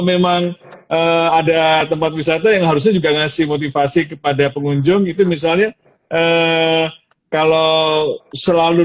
memang ada tempat wisata yang harusnya juga ngasih motivasi kepada pengunjung itu misalnya kalau selalu